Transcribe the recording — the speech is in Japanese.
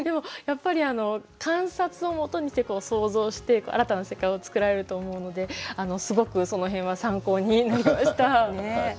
やっぱり観察をもとにして想像して新たな世界を作られると思うのですごくその辺は参考になりました。